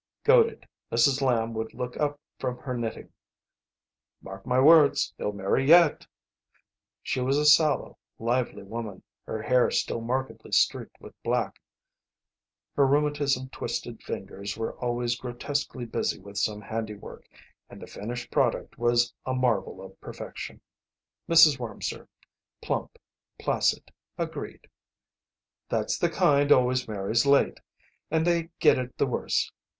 '" Goaded, Mrs. Lamb would look up from her knitting. "Mark my words, he'll marry yet." She was a sallow, lively woman, her hair still markedly streaked with black. Her rheumatism twisted fingers were always grotesquely busy with some handiwork, and the finished product was a marvel of perfection. Mrs. Wormser, plump, placid, agreed. "That's the kind always marries late. And they get it the worst.